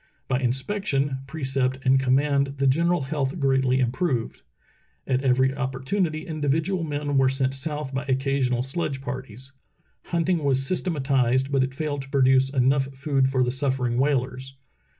By inspection, precept, and command the general health greatly im proved. At every opportunity individual men were sent south by occasional sledge parties. Hunting was systematized, but it failed to produce enough food for the suffering whalers.